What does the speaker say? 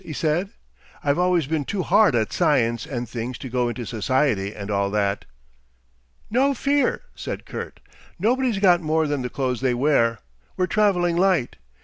he said. "I've always been too hard at Science and things to go into Society and all that." "No fear," said Kurt. "Nobody's got more than the clothes they wear. We're travelling light.